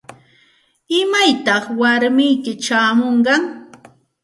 ¿Imaytaq warmiyki chayamunqa?